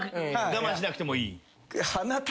我慢しなくてもいい。